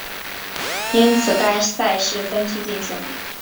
因此该赛事分区进行。